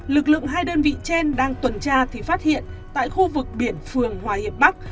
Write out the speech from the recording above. lực lượng hai đơn vị trên đang tuần tra thì phát hiện tại khu vực biển phường hòa hiệp bắc